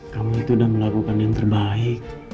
kamu itu udah melakukan yang terbaik